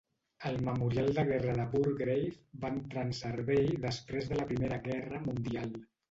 El Memorial de Guerra de Wargrave va entrar en servei després de la Primera Guerra Mundial.